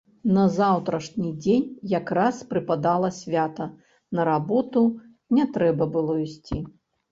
На заўтрашні дзень якраз прыпадала свята, на работу не трэба было ісці.